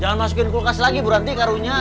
jangan masukin kulkas lagi bu ranti karunya